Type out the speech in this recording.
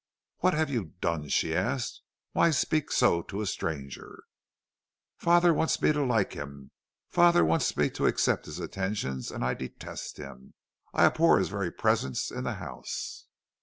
"'What have you done?' she asked. 'Why speak so to a stranger?' "'Father wants me to like him; father wants me to accept his attentions, and I detest him. I abhor his very presence in the house.'